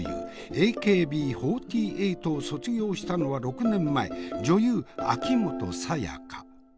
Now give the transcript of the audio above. ＡＫＢ４８を卒業したのは６年前女優秋元才加。